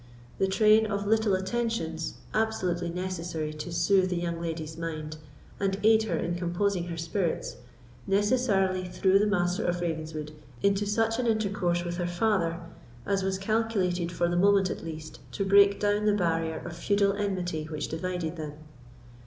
The train of little attentions, absolutely necessary to soothe the young lady's mind, and aid her in composing her spirits, necessarily threw the Master of Ravenswood into such an intercourse with her father as was calculated, for the moment at least, to break down the barrier of feudal enmity which divided them.